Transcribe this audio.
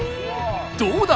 どうだ！